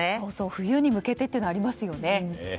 冬に向けてというのありますよね。